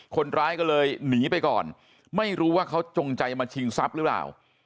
คนร้ายก็เลยหนีไปก่อนไม่รู้ว่าเขาจงใจมาชิงทรัพย์หรือเปล่า